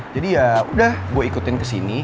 jadi ya udah gue ikutin ke sini